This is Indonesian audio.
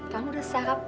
kamu udah sahab